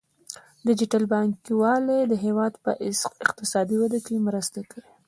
ډیجیټل بانکوالي د هیواد په اقتصادي وده کې مرسته کوي.